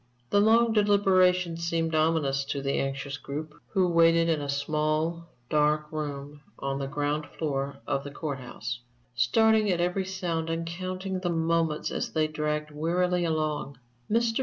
The long deliberation seemed ominous to the anxious group who waited in a small, dark room on the ground floor of the court house, starting at every sound and counting the moments as they dragged wearily along. Mr.